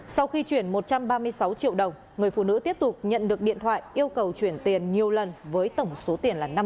sau khi chuyển một trăm ba mươi sáu triệu đồng người phụ nữ tiếp tục nhận được điện thoại yêu cầu chuyển tiền nhiều lần với tổng số tiền là năm trăm linh triệu